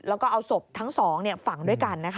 แล้วก็เอาศพทั้งสองฝั่งด้วยกันนะคะ